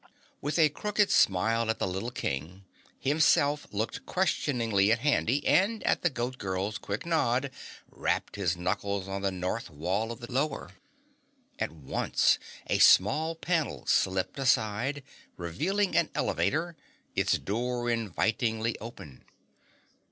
With a crooked smile at the little King, Himself looked questioningly at Handy, and at the Goat Girl's quick nod, rapped his knuckles on the north wall of the Lower. At once, a small panel slipped aside, revealing an elevator, its door invitingly open.